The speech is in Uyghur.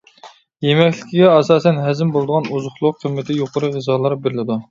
يېمەكلىكىگە ئاسان ھەزىم بولىدىغان ئوزۇقلۇق قىممىتى يۇقىرى غىزالار بېرىلىدۇ.